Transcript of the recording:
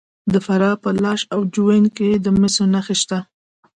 د فراه په لاش او جوین کې د مسو نښې شته.